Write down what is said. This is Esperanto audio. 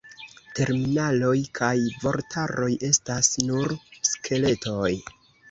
Terminaroj kaj vortaroj estas nur skeletoj.